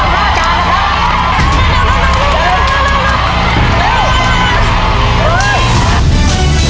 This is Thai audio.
๓นาทีนะครับ๕จานนะครับ